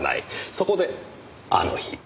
そこであの日。